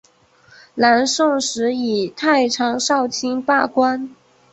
南宋时以太常少卿罢官。